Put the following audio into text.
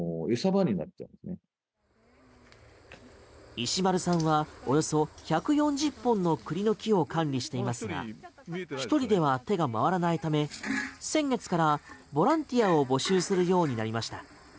石丸さんはおよそ１４０本の栗の木を管理していますが１人では手が回らないため先月からボランティアを募集するようになりました。